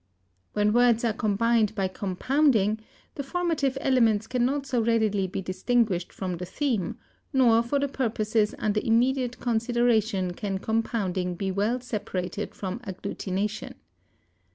When words are combined by compounding, the formative elements cannot so readily be distinguished from the theme; nor for the purposes under immediate consideration can compounding be well separated from agglutination.